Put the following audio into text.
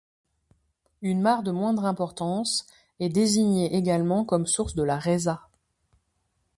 Une mare de moindre importance est désignée également comme source de la Rezat.